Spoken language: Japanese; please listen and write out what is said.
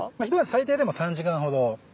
最低でも３時間ほど。